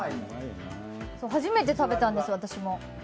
初めて食べたんです、私も。